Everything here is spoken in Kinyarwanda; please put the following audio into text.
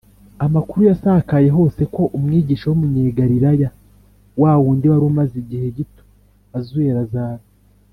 amakuru yasakaye hose ko umwigisha w’umunyegalileya, wa wundi wari umaze igihe gito azuye lazaro,